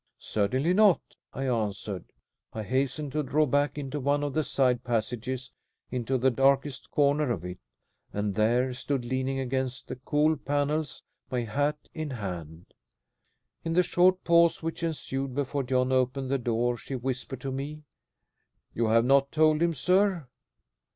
"Certainly not," I answered. I hastened to draw back into one of the side passages, into the darkest corner of it, and there stood leaning against the cool panels, my hat in my hand. In the short pause which ensued before John opened the door she whispered to me, "You have not told him, sir?"